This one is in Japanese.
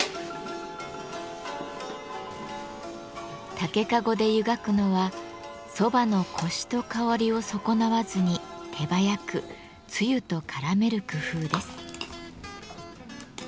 竹かごで湯がくのは蕎麦のコシと香りを損なわずに手早くつゆと絡める工夫です。